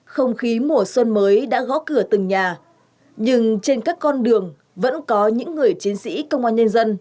không khí mùa xuân mới đã gõ cửa từng nhà nhưng trên các con đường vẫn có những người chiến sĩ công an nhân dân